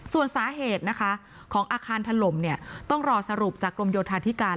ส่วนสาเหตุนะคะของอาคารถล่มต้องรอสรุปจากกรมโยธาธิการ